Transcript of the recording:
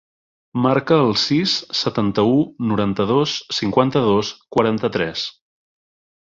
Marca el sis, setanta-u, noranta-dos, cinquanta-dos, quaranta-tres.